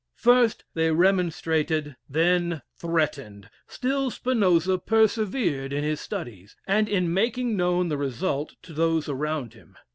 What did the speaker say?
First they remonstrated, then threatened; still Spinoza persevered in his studies, and in making known the result to those around him.